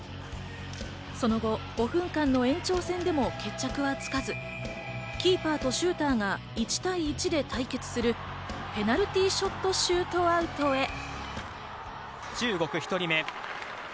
その後、５分間の延長戦でも決着はつかず、キーパーとシューターが１対１で対決する、ペナルティー・ショット・シュートアウトへ。